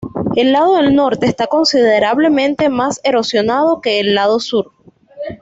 El lado del norte está considerablemente más erosionado que el lado del sur.